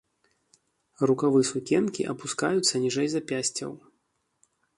Рукавы сукенкі апускаюцца ніжэй запясцяў.